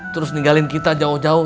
terus ninggalin kita jauh jauh